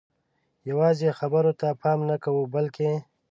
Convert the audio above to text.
یوازې خبرو ته پام نه کوو بلکې